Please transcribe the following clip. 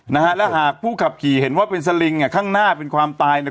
นะฮะแล้วหากผู้ขับขี่เห็นว่าเป็นสลิงอ่ะข้างหน้าเป็นความตายเนี่ย